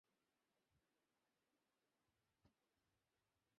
তাকে বাঁচান please, sir!